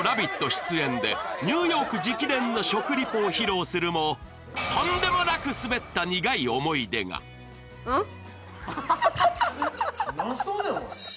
出演でニューヨーク直伝の食リポを披露するもとんでもなくスベった苦い思い出があっ？